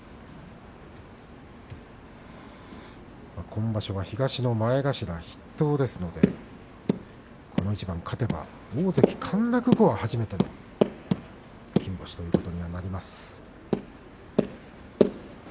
今場所は東の前頭筆頭ですのでこの一番、勝てば大関陥落後は初めての金星ということになります。